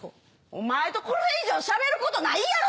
お前とこれ以上しゃべることないやろ。